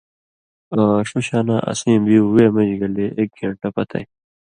آں ݜُوشاناں اسیں بیُو وے مژ گلے ایک گین٘ٹہ پتَیں